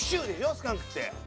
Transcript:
スカンクって。